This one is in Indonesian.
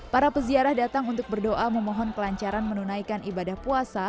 para peziarah datang untuk berdoa memohon kelancaran menunaikan ibadah puasa